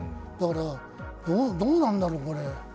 だからどうなんだろう、これ。